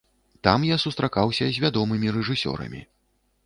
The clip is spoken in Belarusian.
Там я сустракаўся з вядомымі рэжысёрамі.